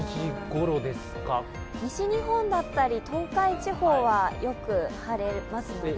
西日本だったり東海地方はよく晴れますので。